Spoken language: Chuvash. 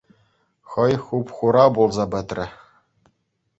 Хӑй хуп-хура пулса пӗтрӗ.